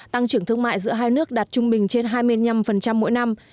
tăng trưởng thương mại giữa hai nước đạt trung bình trên hai mươi năm mỗi năm